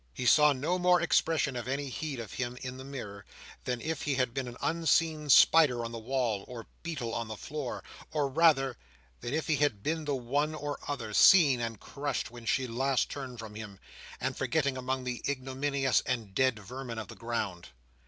He saw no more expression of any heed of him, in the mirror, than if he had been an unseen spider on the wall, or beetle on the floor, or rather, than if he had been the one or other, seen and crushed when she last turned from him, and forgotten among the ignominious and dead vermin of the ground.